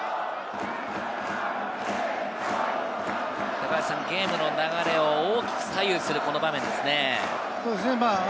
高橋さん、ゲームの流れを大きく左右する場面ですね。